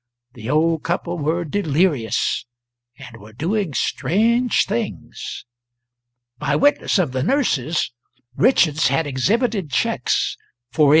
The old couple were delirious, and were doing strange things. By witness of the nurses, Richards had exhibited cheques for $8,500?